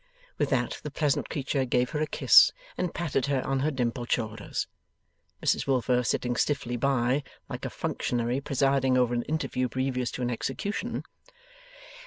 With that, the pleasant creature gave her a kiss, and patted her on her dimpled shoulders; Mrs Wilfer sitting stiffly by, like a functionary presiding over an interview previous to an execution.